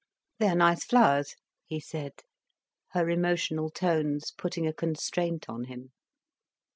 "They are nice flowers," he said, her emotional tones putting a constraint on him.